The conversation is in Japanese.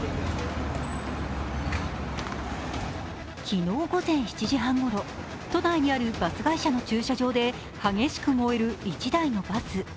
昨日午前７時半ごろ、都内にあるバス会社の駐車場で激しく燃える１台のバス。